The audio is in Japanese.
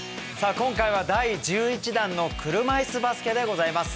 今回は第１１弾の車いすバスケでございます。